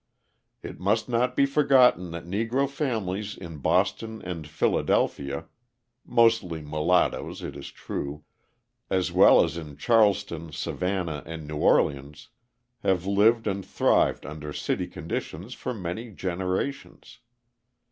It must not be forgotten that Negro families in Boston and Philadelphia (mostly mulattoes, it is true) as well as in Charleston, Savannah, and New Orleans, have lived and thrived under city conditions for many generations.